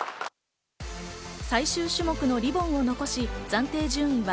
最終種目のリボンを残し、暫定順位は